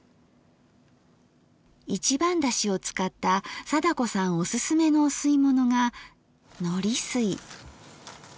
一番だしを使った貞子さんおすすめのお吸い物がのりすい。